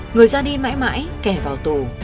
người ra đi mãi mãi kẻ vào tù